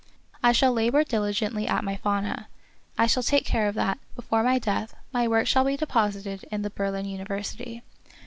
I shall labor diligently at my Fauna. I shall take care that, before my death, my works shall be deposited in the Berlin University.